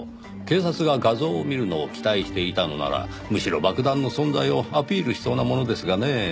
警察が画像を見るのを期待していたのならむしろ爆弾の存在をアピールしそうなものですがねぇ。